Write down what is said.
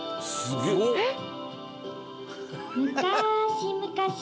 えっ